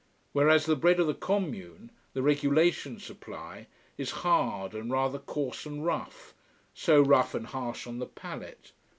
Whereas the bread of the commune, the regulation supply, is hard, and rather coarse and rough, so rough and harsh on the palate.